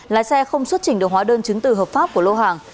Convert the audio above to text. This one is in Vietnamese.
lái xe không xuất trình được hóa đơn chứng từ hợp pháp của lô hàng